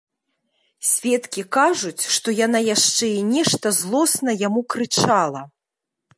Сведкі кажуць, што яна яшчэ і нешта злосна яму крычала.